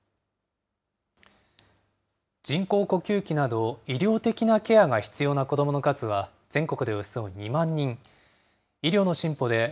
人工呼吸器など、医療的なケアが必要な子どもの数は、全国でおよそ２万人。